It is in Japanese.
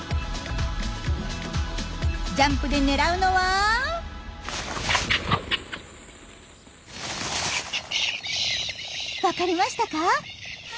ジャンプで狙うのは。わかりましたか？